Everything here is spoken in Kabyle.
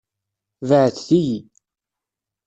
Beɛɛdet-iyi.